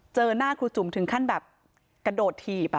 เจอหน้าครูจุ๋มถึงขั้นแบบกระโดดถีบ